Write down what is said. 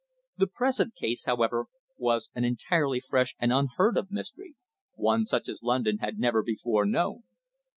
The present case, however, was an entirely fresh and unheard of mystery, one such as London had never before known.